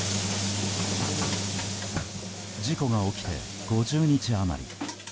事故が起きて５０日余り。